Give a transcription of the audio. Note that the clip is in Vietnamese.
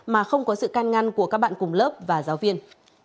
mà không có sự can ngăn của các bạn cùng lớp và giáo viên